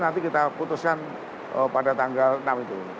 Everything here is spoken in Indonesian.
nanti kita putuskan pada tanggal enam itu